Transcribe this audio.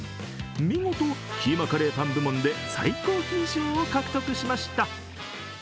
見事、キーマカレーパン部門で最高金賞を獲得しました。